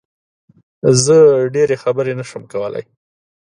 زه ډېری خبرې نه شم کولی